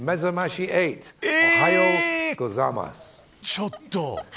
ちょっと。